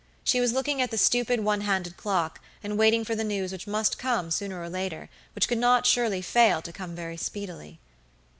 She was looking at the stupid one handed clock, and waiting for the news which must come sooner or later, which could not surely fail to come very speedily.